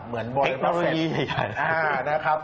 เหมือนโบราณเต็กต์เทคโนโลยีเหมือนกันนะครับ